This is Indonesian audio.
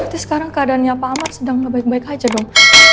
berarti sekarang keadaannya pak aman sedang baik baik aja dong